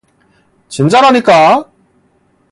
진짜라니까!